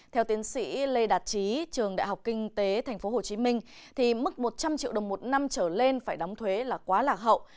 theo tiến sĩ lê đạt trí trường đại học kinh tế tp hcm mức một trăm linh triệu đồng một năm trở lên phải đóng thuế là quá lạc hậu